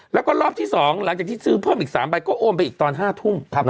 แล้วก็รอบที่๒หลังจากที่ซื้อเพิ่มอีก๓ใบก็โอนไปอีกตอน๕ทุ่ม